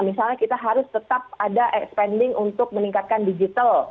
misalnya kita harus tetap ada expending untuk meningkatkan digital